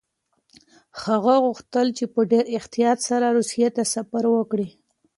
هغه غوښتل چې په ډېر احتیاط سره روسيې ته سفر وکړي.